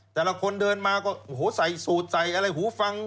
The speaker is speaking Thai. แต่ละคนเดินมาก็โอ้โหใส่สูตรใส่อะไรหูฟัง